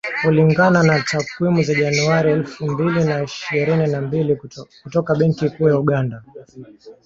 Kulingana na takwimu za Januari elfu mbili na ishirini na mbili kutoka Benki Kuu ya Uganda